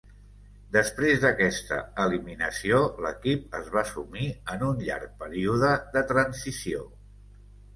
Després d'aquesta eliminació, l'equip es va sumir en un llarg període de transició.